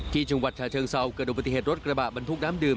ที่จังหวัดชาเชิงเซาเกิดดูปฏิเหตุรถกระบะบรรทุกน้ำดื่ม